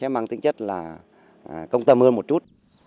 mang tính chất là công tâm hơn một chút